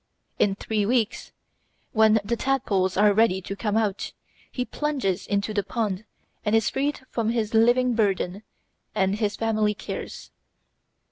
In three weeks, when the tadpoles are ready to come out, he plunges into the pond and is freed from his living burden and his family cares.